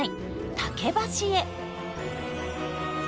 竹橋へ。